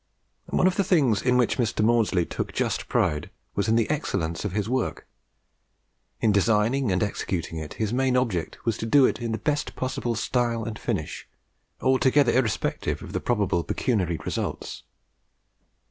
One of the things in which Mr. Maudslay took just pride was in the excellence of his work. In designing and executing it, his main object was to do it in the best possible style and finish, altogether irrespective of the probable pecuniary results.